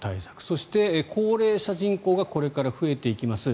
そして、高齢者人口がこれから増えていきます。